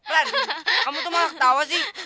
ran kamu tuh malah ketawa sih